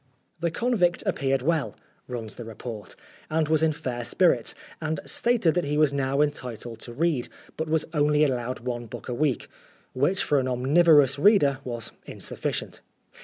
" The convict appeared well," runs this report, "and was in fair spirits, and stated that he was now entitled to read, but was only allowed one b6ok a week, which, for an omnivorous reader, was insufficient.